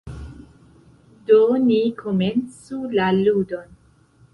Do, ni komencu la ludon.